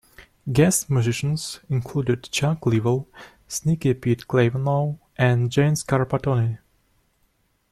Guest musicians included Chuck Leavell, Sneaky Pete Kleinow and Jane Scarpantoni.